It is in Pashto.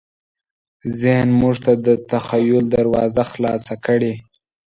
ذهن موږ ته د تخیل دروازه خلاصه کړې.